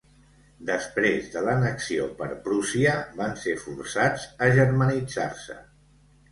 Després de l'annexió per Prússia, van ser forçats a germanitzar-se.